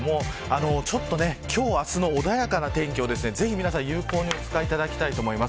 ちょっと今日、明日の穏やかな天気をぜひ皆さん有効にお使いいただきたいと思います。